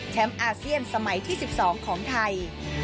อาเซียนสมัยที่๑๒ของไทย